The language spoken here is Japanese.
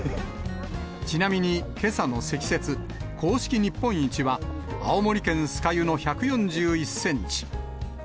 ちなみに、けさの積雪、公式日本一は、青森県酸ヶ湯の１４１センチ。